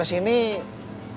nyari minum dimana